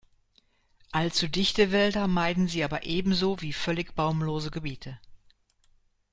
Allzu dichte Wälder meiden sie aber ebenso wie völlig baumlose Gebiete.